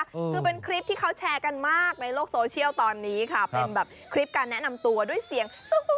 คือเป็นคลิปที่เขาแชร์กันมากในโลกโซเชียลตอนนี้ค่ะเป็นแบบคลิปการแนะนำตัวด้วยเสียง